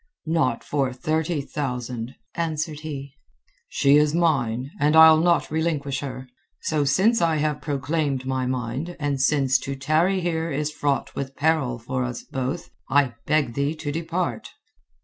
"Not for thirty thousand," answered he. "She is mine, and I'll not relinquish her. So since I have proclaimed my mind, and since to tarry here is fraught with peril for us both, I beg thee to depart."